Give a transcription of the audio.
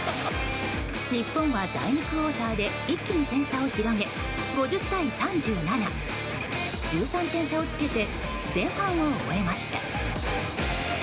日本は第２クオーターで一気に点差を広げ５０対３７、１３点差をつけて前半を終えました。